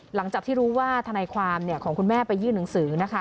หลังจากที่รู้ว่าทนายความของคุณแม่ไปยื่นหนังสือนะคะ